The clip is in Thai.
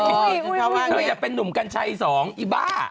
เธอจะเป็นหนุ่มกัญชัย๒อีบ้า